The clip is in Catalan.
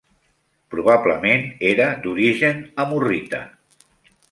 Probablement era d'origen amorrita.